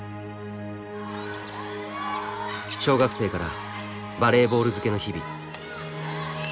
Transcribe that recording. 小学生からバレーボールづけの日々。